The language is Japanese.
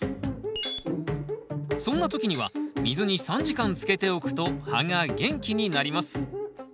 そんな時には水に３時間つけておくと葉が元気になります。